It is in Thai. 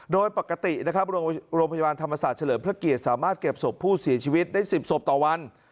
โดยปกตินะครับโรงพยาบาลธรรมศาสตร์เฉลิมพระเกียรติสามารถเก็บศพผู้เสียชีวิตได้๑๐ศพต่อวัน